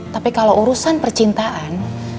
tapi kalau urusan percintaan